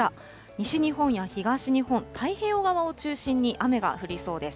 西日本や東日本、太平洋側を中心に雨が降りそうです。